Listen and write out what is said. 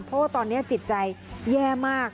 เพราะว่าตอนนี้จิตใจแย่มาก